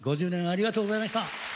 ５０年ありがとうございました。